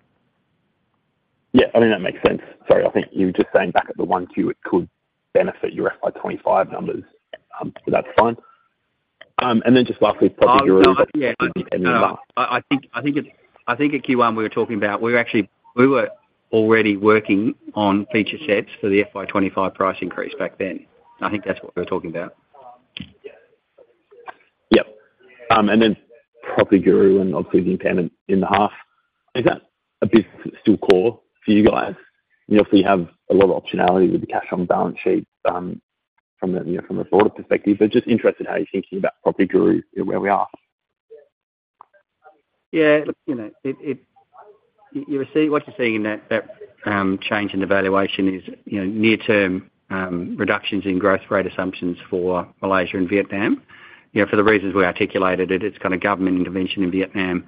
Yeah, I mean, that makes sense. Sorry, I think you were just saying back at the 1Q, it could benefit your FY25 numbers, but that's fine. And then just lastly, PropertyGuru- Oh, no. Yeah, I think it's—I think in Q1, we were talking about—we were already working on feature sets for the FY 2025 price increase back then. I think that's what we were talking about. Yep. And then PropertyGuru, and obviously the investment in the half, is that a bit still core for you guys? You know, if we have a lot of optionality with the cash on the balance sheet, from the, you know, from a broader perspective, but just interested in how you're thinking about PropertyGuru and where we are. Yeah, look, you know, it... You were seeing, what you're seeing in that change in the valuation is, you know, near-term reductions in growth rate assumptions for Malaysia and Vietnam. You know, for the reasons we articulated it, it's got a government intervention in Vietnam,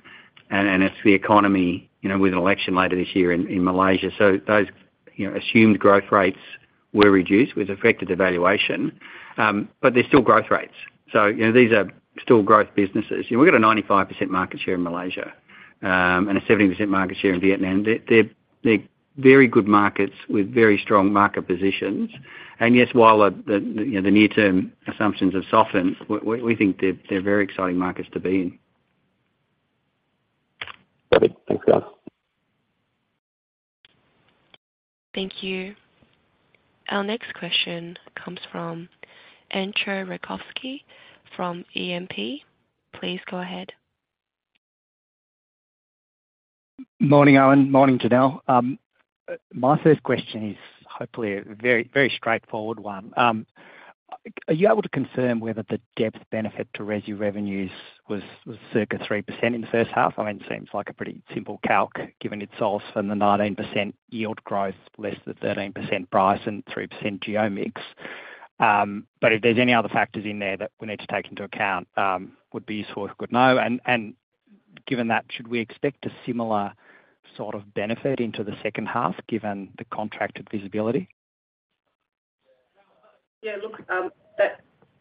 and it's the economy, you know, with an election later this year in Malaysia. So those, you know, assumed growth rates were reduced, which affected the valuation, but they're still growth rates. So, you know, these are still growth businesses. And we've got a 95% market share in Malaysia, and a 70% market share in Vietnam. They're very good markets with very strong market positions. And yes, while the, you know, the near-term assumptions have softened, we think they're very exciting markets to be in. Got it. Thanks, guys. Thank you. Our next question comes from Entcho Raykovski from E&P. Please go ahead. Morning, Owen. Morning, Janelle. My first question is hopefully a very, very straightforward one. Are you able to confirm whether the depth benefit to resi revenues was circa 3% in the first half? I mean, it seems like a pretty simple calc, given it's also in the 19% yield growth, less than 13% price and 3% geo mix. But if there's any other factors in there that we need to take into account, would be sort of good to know. And given that, should we expect a similar sort of benefit into the second half, given the contracted visibility? Yeah, look, that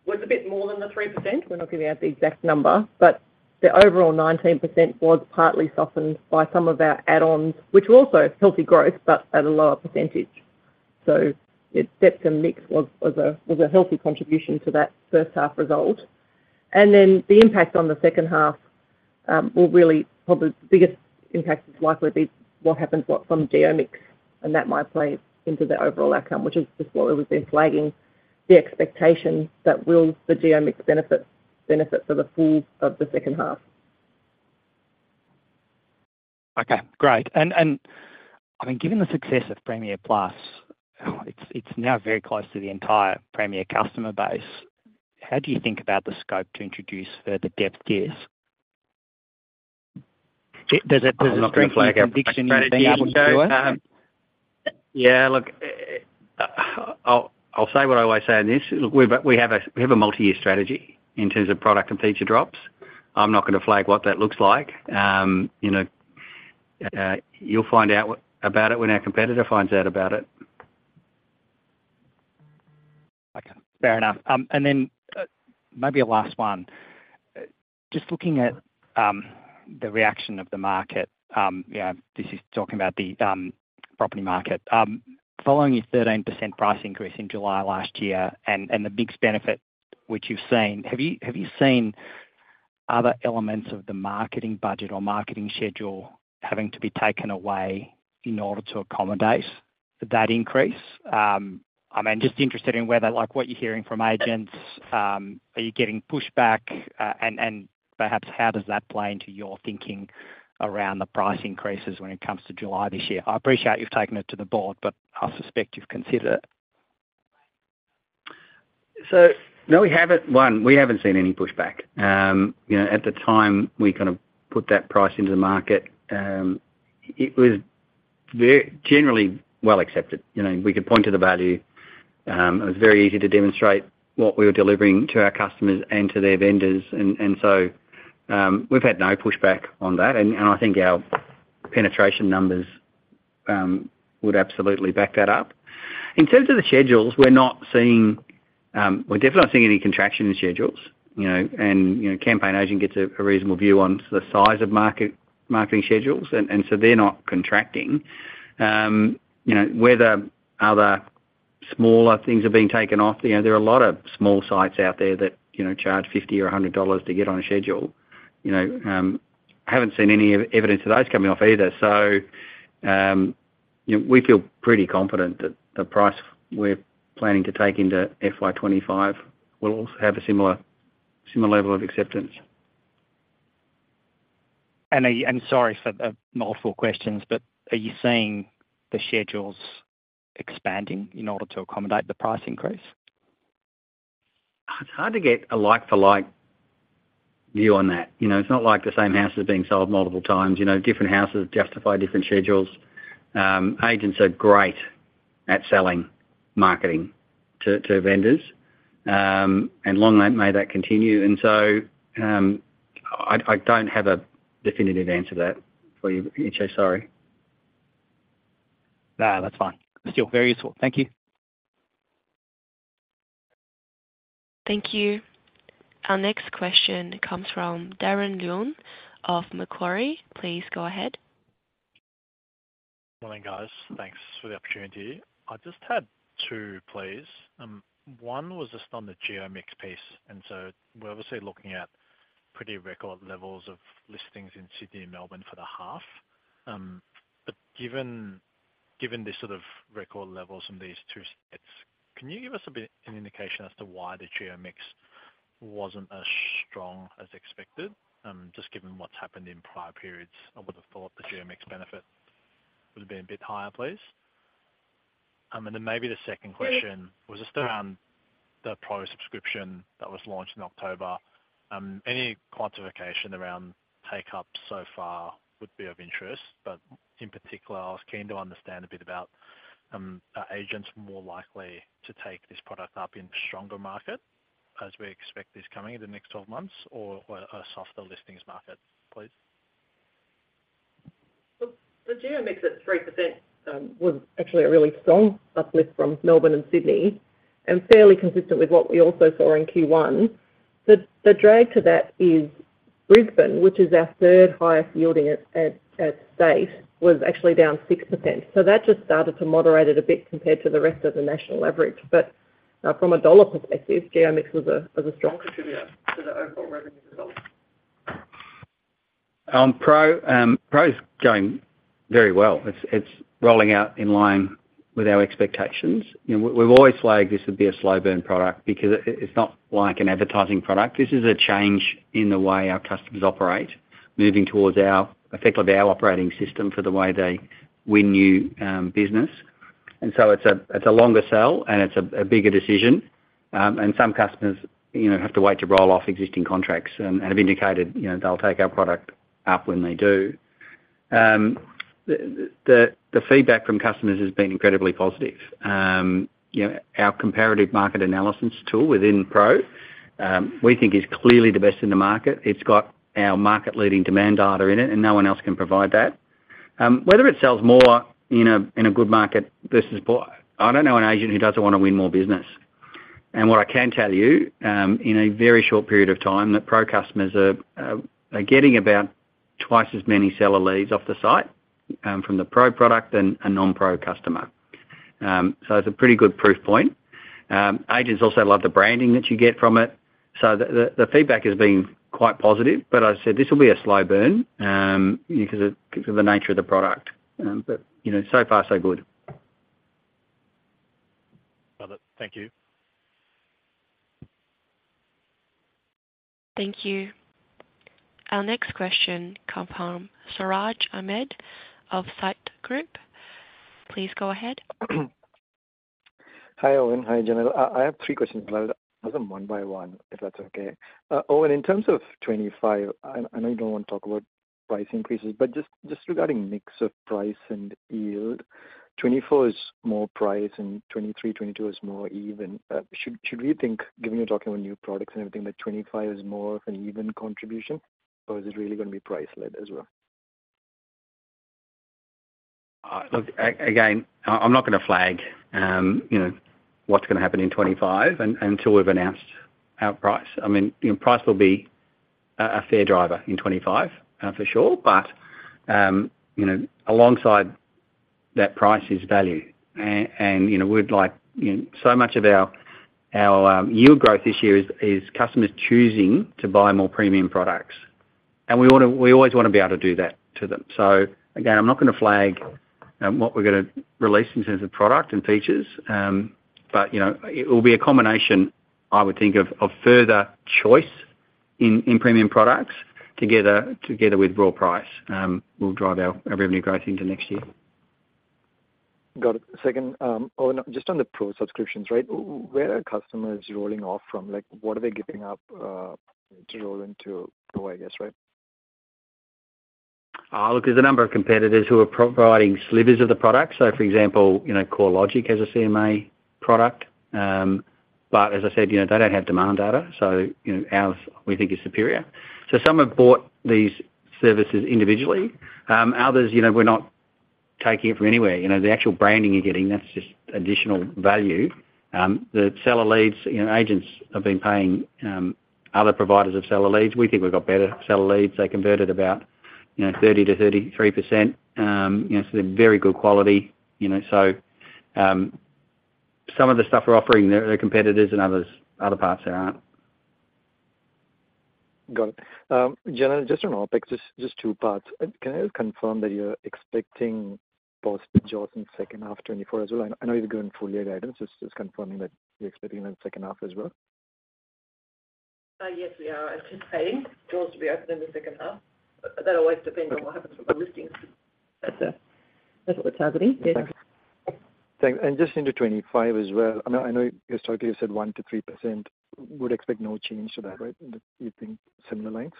was a bit more than the 3%. We're not giving out the exact number, but the overall 19% was partly softened by some of our add-ons, which were also healthy growth, but at a lower percentage. So the depth and mix was a healthy contribution to that first half result. And then the impact on the second half will really... Probably the biggest impact is likely to be what happens from geo mix, and that might play into the overall outcome, which is just what we've been flagging, the expectation that the geo mix will benefit for the full of the second half. Okay, great. And, I mean, given the success of Premier Plus, it's now very close to the entire Premier customer base. How do you think about the scope to introduce further depth tiers? Does that strengthen your conviction in being able to do it? Yeah, look, I'll say what I always say on this: Look, we have a multi-year strategy in terms of product and feature drops. I'm not going to flag what that looks like. You know, you'll find out about it when our competitor finds out about it. Okay, fair enough. And then, maybe a last one. Just looking at the reaction of the market, yeah, this is talking about the property market. Following your 13% price increase in July last year and the mix benefit which you've seen, have you seen other elements of the marketing budget or marketing schedule having to be taken away in order to accommodate for that increase? I mean, just interested in whether, like, what you're hearing from agents, are you getting pushback? And perhaps how does that play into your thinking around the price increases when it comes to July this year? I appreciate you've taken it to the board, but I suspect you've considered it. So no, we haven't. One, we haven't seen any pushback. You know, at the time, we kind of put that price into the market, it was very generally well accepted. You know, we could point to the value. It was very easy to demonstrate what we were delivering to our customers and to their vendors, and so, we've had no pushback on that, and I think our penetration numbers would absolutely back that up. In terms of the schedules, we're not seeing. We're definitely not seeing any contraction in schedules, you know, and, you know, CampaignAgent gets a reasonable view on the size of marketing schedules, and so they're not contracting. You know, whether other smaller things are being taken off, you know, there are a lot of small sites out there that, you know, charge 50 or 100 dollars to get on a schedule. You know, I haven't seen any evidence of those coming off either. So, you know, we feel pretty confident that the price we're planning to take into FY 2025 will also have a similar level of acceptance. Sorry for the multiple questions, but are you seeing the schedules expanding in order to accommodate the price increase? It's hard to get a like-for-like view on that. You know, it's not like the same house is being sold multiple times. You know, different houses justify different schedules. Agents are great at selling marketing to vendors, and long may that continue. I don't have a definitive answer to that for you, Entcho. Sorry. Nah, that's fine. Still very useful. Thank you. Thank you. Our next question comes from Darren Leung of Macquarie. Please go ahead. Morning, guys. Thanks for the opportunity. I just had two, please. One was just on the geo mix piece, and so we're obviously looking at pretty record levels of listings in Sydney and Melbourne for the half. But given the sort of record levels in these two states, can you give us a bit, an indication as to why the geo mix wasn't as strong as expected? Just given what's happened in prior periods, I would have thought the geo mix benefit would have been a bit higher, please. And then maybe the second question was just around the Pro subscription that was launched in October. Any quantification around take-up so far would be of interest, but in particular, I was keen to understand a bit about, are agents more likely to take this product up in a stronger market, as we expect this coming in the next 12 months, or a softer listings market, please? The geo mix at 3% was actually a really strong uplift from Melbourne and Sydney, and fairly consistent with what we also saw in Q1. The drag to that is Brisbane, which is our third highest yielding at state, was actually down 6%. So that just started to moderate it a bit compared to the rest of the national average. But from a dollar perspective, geo mix was a strong contributor to the overall revenue results. On Pro, Pro is going very well. It's rolling out in line with our expectations. You know, we've always flagged this would be a slow burn product because it's not like an advertising product. This is a change in the way our customers operate, moving towards effectively our operating system for the way they win new business. And so it's a longer sell, and it's a bigger decision. And some customers, you know, have to wait to roll off existing contracts and have indicated, you know, they'll take our product up when they do. The feedback from customers has been incredibly positive. You know, our comparative market analysis tool within Pro, we think is clearly the best in the market. It's got our market-leading demand data in it, and no one else can provide that. Whether it sells more in a good market versus. I don't know an agent who doesn't want to win more business. And what I can tell you, in a very short period of time, that Pro customers are getting about twice as many seller leads off the site, from the Pro product than a non-Pro customer. So it's a pretty good proof point. Agents also love the branding that you get from it, so the feedback has been quite positive. But I said this will be a slow burn, because of the nature of the product. But, you know, so far, so good. Got it. Thank you. Thank you. Our next question comes from Siraj Ahmed of Citigroup. Please go ahead. Hi, Owen. Hi, Janelle. I have three questions. I'll ask them one by one, if that's okay. Owen, in terms of 2025, I know you don't want to talk about price increases, but just regarding mix of price and yield, 2024 is more price and 2023, 2022 is more even. Should we think, given you're talking about new products and everything, that 2025 is more of an even contribution, or is it really gonna be price-led as well? Look, again, I'm not gonna flag, you know, what's gonna happen in 2025 until we've announced our price. I mean, you know, price will be a fair driver in 2025, for sure. But, you know, alongside that price is value. And, you know, we'd like... You know, so much of our yield growth this year is customers choosing to buy more premium products, and we wanna, we always wanna be able to do that to them. So again, I'm not gonna flag, what we're gonna release in terms of product and features, but, you know, it will be a combination, I would think, of further choice in premium products together with raw price, will drive our revenue growth into next year. Got it. Second, Owen, just on the Pro subscriptions, right? Where are customers rolling off from? Like, what are they giving up to roll into Pro, I guess, right? Look, there's a number of competitors who are providing slivers of the product. So, for example, you know, CoreLogic has a CMA product, but as I said, you know, they don't have demand data, so, you know, ours, we think, is superior. So some have bought these services individually. Others, you know, we're not taking it from anywhere. You know, the actual branding you're getting, that's just additional value. The seller leads, you know, agents have been paying other providers of seller leads. We think we've got better seller leads. They converted about, you know, 30%-33%. You know, so they're very good quality, you know. So, some of the stuff we're offering, they're, they're competitors and others, other parts there aren't. Got it. General, just on OpEx, just two parts. Can I confirm that you're expecting positive jaws in second half 2024 as well? I know you're giving full year guidance, just confirming that you're expecting in the second half as well. Yes, we are anticipating jaws to be open in the second half. That's what we're targeting. Yeah. Thanks. And just into 2025 as well. I know, I know historically you said 1%-3%. Would expect no change to that, right? You think similar lengths?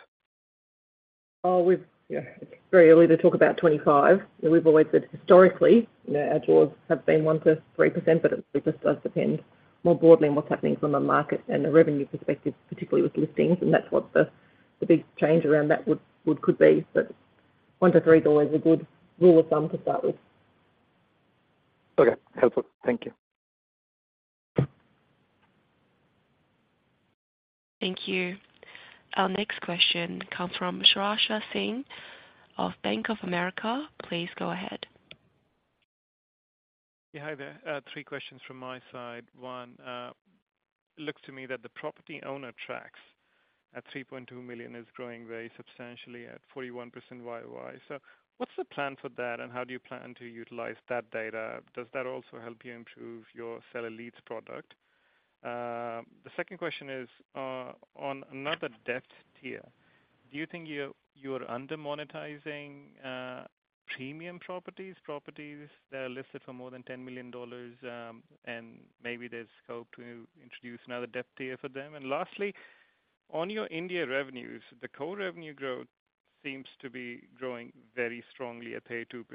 Oh, yeah, it's very early to talk about 25. We've always said historically, you know, our jaws have been 1%-3%, but it just does depend more broadly on what's happening from the market and the revenue perspective, particularly with listings, and that's what the big change around that would could be. But 1%-3% is always a good rule of thumb to start with. Okay, helpful. Thank you. Thank you. Our next question comes from Sriharsh Singh of Bank of America. Please go ahead. Yeah, hi there. Three questions from my side. One, looks to me that the PropTrack at 3.2 million is growing very substantially at 41% YOY. So what's the plan for that, and how do you plan to utilize that data? Does that also help you improve your seller leads product? The second question is, on another depth tier, do you think you, you're under-monetizing, premium properties, properties that are listed for more than 10 million dollars, and maybe there's scope to introduce another depth tier for them? And lastly, on your India revenues, the core revenue growth seems to be growing very strongly at 2%,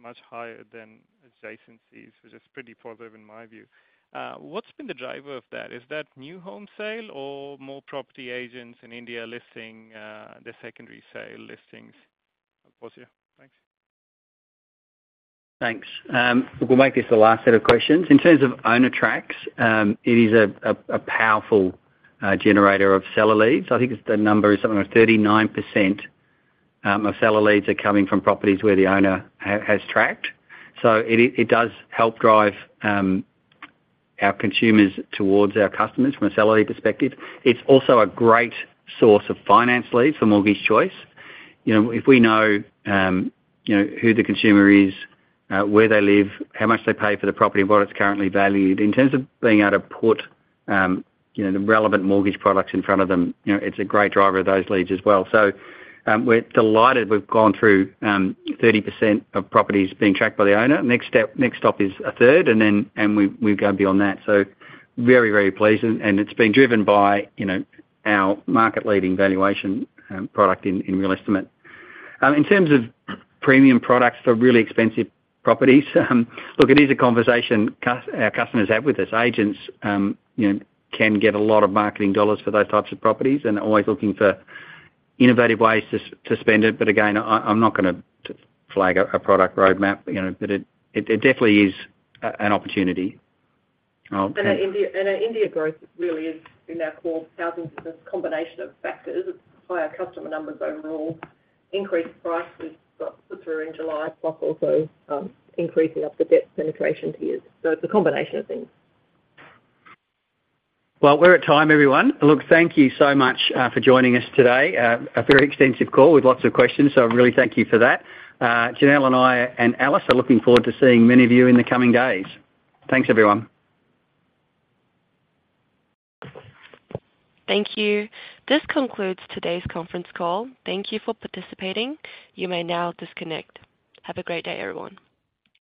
much higher than adjacencies, which is pretty positive in my view. What's been the driver of that? Is that new home sale or more property agents in India listing, the secondary sale listings? Over to you. Thanks. Thanks. We'll make this the last set of questions. In terms of PropTrack, it is a powerful generator of seller leads. I think the number is something like 39% of seller leads are coming from properties where the owner has tracked. So it does help drive our consumers towards our customers from a seller lead perspective. It's also a great source of finance leads for Mortgage Choice. You know, if we know who the consumer is, where they live, how much they pay for the property and what it's currently valued, in terms of being able to put the relevant mortgage products in front of them, you know, it's a great driver of those leads as well. So, we're delighted we've gone through 30% of properties being tracked by the owner. Next step, next stop is a third, and then, and we, we've gone beyond that. So very, very pleasing, and it's been driven by, you know, our market-leading valuation product in realEstimate. In terms of premium products for really expensive properties, look, it is a conversation our customers have with us. Agents, you know, can get a lot of marketing dollars for those types of properties and are always looking for innovative ways to spend it. But again, I, I'm not gonna flag a product roadmap, you know, but it, it, it definitely is an opportunity. Our India growth really is in our core thousands of a combination of factors. It's why our customer numbers overall increased, prices got put through in July, plus also increasing up the depth penetration tiers. So it's a combination of things. Well, we're at time, everyone. Look, thank you so much for joining us today. A very extensive call with lots of questions, so I really thank you for that. Janelle, and I, and Alice are looking forward to seeing many of you in the coming days. Thanks, everyone. Thank you. This concludes today's conference call. Thank you for participating. You may now disconnect. Have a great day, everyone.